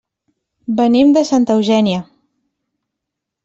Venim de Santa Eugènia.